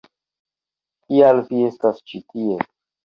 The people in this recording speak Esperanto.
Kial vi estas ĉi tie?